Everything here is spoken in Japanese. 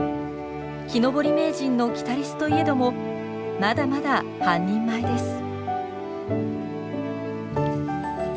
木登り名人のキタリスといえどもまだまだ半人前です。